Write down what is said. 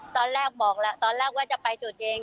ตอนแรกบอกตอนแรกว่าจะไปจุดเอง